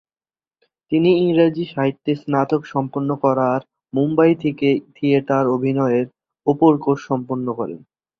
তিনি ইংরেজি সাহিত্যে স্নাতক সম্পন্ন করার মুম্বাই থেকে থিয়েটার অভিনয়ের উপর কোর্স সম্পন্ন করেন।